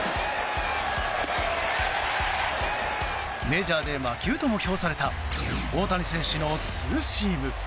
メジャーで魔球とも評された大谷選手のツーシーム。